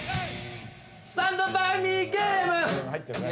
スタンド・バイ・ミーゲーム！